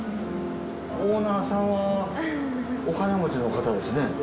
オーナーさんはお金持ちの方ですね。